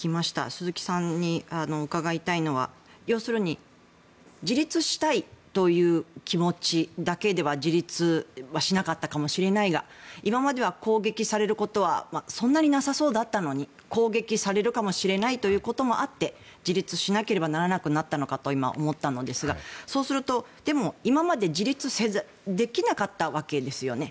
鈴木さんに伺いたいのは要するに自立したいという気持ちだけでは自立はしなかったかもしれないが今までは攻撃されることはそんなになさそうだったのに攻撃されるかもしれないということもあって自立しなければならなくなったのかと今、思ったのですがそうすると、でも今まで自立できなかったわけですよね。